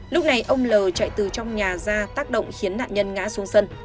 lúc này ông l chạy từ trong nhà ra tác động khiến nạn nhân ngã xuống sân